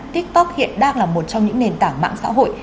tiktok hiện đang là một trong những nền tảng mạng xã hội